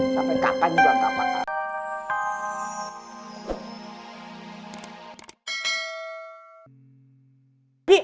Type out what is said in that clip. sampai kapan juga gak bakal